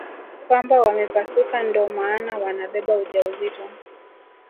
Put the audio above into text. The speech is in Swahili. Kwamba wamepasuka ndo maana wanabeba ujauzito